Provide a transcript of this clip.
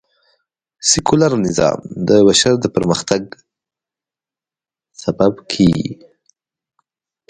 سکیولر نظام د بشر د پرمختګ سبب کېږي